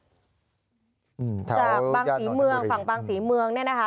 แถวย่านนนทบุรีจากบางศรีเมืองฝั่งบางศรีเมืองนี่นะคะ